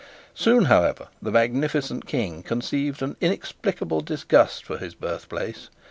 Soon, however, the magnificent King conceived an inexplicable disgust for his birthplace.